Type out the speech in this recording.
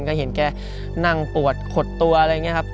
ก็เห็นแกนั่งปวดขดตัวอะไรอย่างนี้ครับ